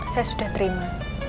saya sudah terima